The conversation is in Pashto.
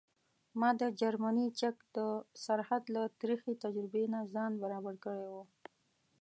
ما د جرمني چک د سرحد له ترخې تجربې نه ځان برابر کړی و.